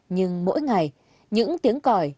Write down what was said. nhưng mỗi ngày những tiếng còi